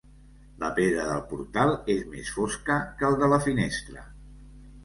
La pedra del portal és més fosca que el de la finestra.